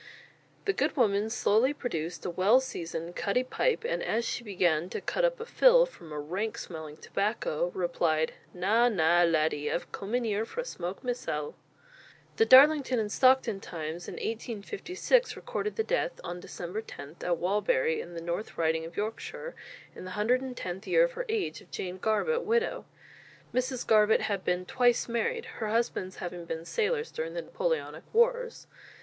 The good woman slowly produced a well seasoned "cutty" pipe, and as she began to cut up a "fill" from a rank smelling tobacco, replied: "Na, na, laddie, I've come in here for a smoke ma'sel." The Darlington and Stockton Times in 1856 recorded the death on December 10, at Wallbury, in the North Riding of Yorkshire, in the 110th year of her age, of Jane Garbutt, widow. Mrs. Garbutt had been twice married, her husbands having been sailors during the Napoleonic wars.